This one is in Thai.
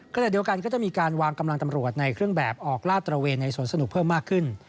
ขณะเดียวกันก็จะมีการวางกำลังตำรวจในเครื่องแบบออกลาดตระเวนในสวนสนุกเพิ่มมากขึ้น